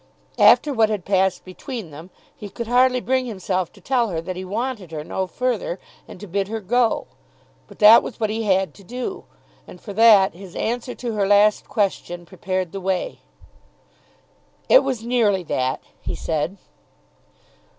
After what had passed between them he could hardly bring himself to tell her that he wanted her no further and to bid her go. But that was what he had to do. And for that his answer to her last question prepared the way. "It was nearly that," he said.